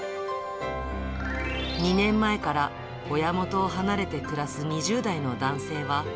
２年前から親元を離れて暮らす２０代の男性は。